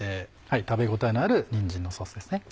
食べ応えのあるにんじんのソースですね。